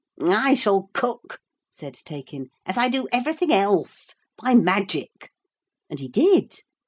'I shall cook,' said Taykin, 'as I do everything else by magic.' And he did.